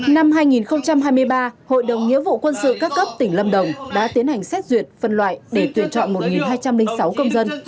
năm hai nghìn hai mươi ba hội đồng nghĩa vụ quân sự các cấp tỉnh lâm đồng đã tiến hành xét duyệt phân loại để tuyển chọn một hai trăm linh sáu công dân